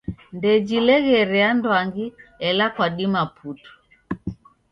Ndejileghere anduangi ela kwadima putu.